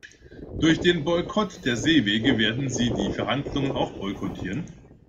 Durch den Boykott der Seewege werden sie die Verhandlungen auch boykottieren.